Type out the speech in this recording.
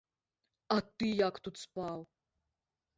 А ты як тут спаў?